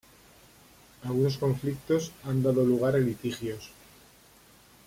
Algunos conflictos han dado lugar a litigios.